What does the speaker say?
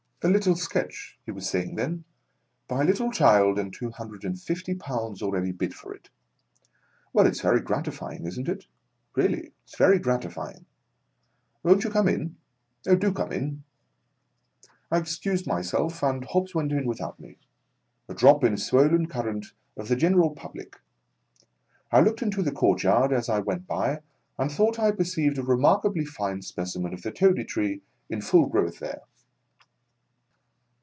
"A little sketch " he was saying then, " by a little child, and two hundred and fifty pounds already bid for it ! Well, it's very gratifying, isn't it? Really, it's very gratifying ! Won't you come in 1 Do come in !" I excused myself, and Hobbs went in without me : a drop in a swollen current of the general public. I looked into the courtyard as I went by, and thought I perceived a remarkably fine spe cimen of the Toady Tree in full growth there.